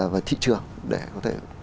về thị trường để có thể